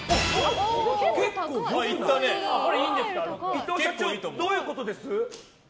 伊藤社長、どういうことです？